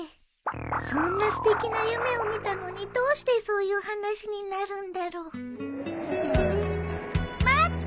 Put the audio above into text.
そんなすてきな夢を見たのにどうしてそういう話になるんだろう待って！